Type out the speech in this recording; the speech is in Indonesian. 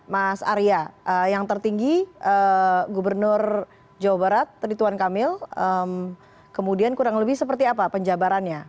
mas arya yang tertinggi gubernur jawa barat rituan kamil kemudian kurang lebih seperti apa penjabarannya